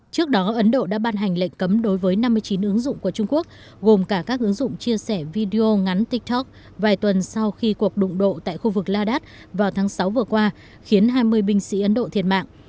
trước đó ấn độ đã ban hành lệnh cấm đối với năm mươi chín ứng dụng của trung quốc gồm cả các ứng dụng chia sẻ video ngắn tiktok vài tuần sau khi cuộc đụng độ tại khu vực ladakh vào tháng sáu vừa qua khiến hai mươi binh sĩ ấn độ thiệt mạng